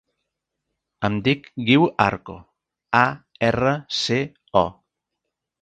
Em dic Guiu Arco: a, erra, ce, o.